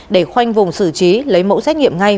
để khoanh vùng xử trí lấy mẫu xét nghiệm ngay